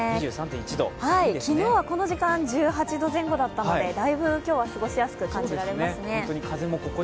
昨日はこの時間１８度前後だったのでだいぶ今日は過ごしやすく感じられますね。